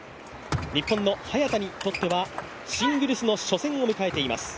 日本の早田にとってはシングルスの初戦を迎えています。